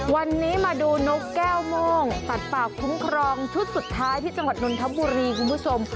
วันนี้มาดูนกแก้วโม่งสัตว์ป่าคุ้มครองชุดสุดท้ายที่จังหวัดนนทบุรีคุณผู้ชม